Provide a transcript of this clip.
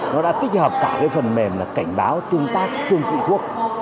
nó đã tích hợp cả phần mềm cảnh báo tương tác tương trị thuốc